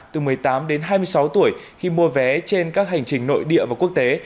từ một mươi tám đến hai mươi sáu tuổi khi mua vé trên các hành trình nội địa và quốc tế